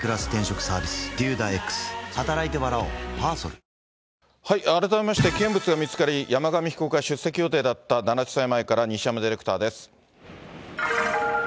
「エアジェット除菌ＥＸ」改めまして、危険物が見つかり、山上被告が出席予定だった奈良地裁前から西山ディレクターです。